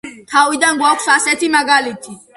თავიდან გვაქვს ასეთი მაგალითი.